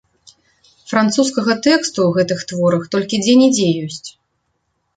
Французскага тэксту ў гэтых творах толькі дзе-нідзе ёсць.